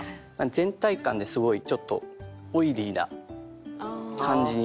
全体感ですごいちょっとオイリーな感じになるので。